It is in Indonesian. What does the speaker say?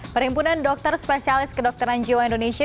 perhimpunan dokter spesialis kedokteran jiwa indonesia